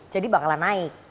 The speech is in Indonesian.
jadi bakal naik